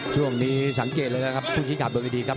ช่วงนี้สังเกตแล้วนะครับผู้ใช้ข่าวเบอร์เบอร์ดีครับ